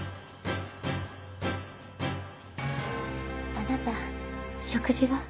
あなた食事は？